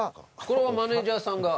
これはマネジャーさんが？